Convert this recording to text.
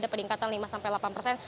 kelihatan lima delapan persen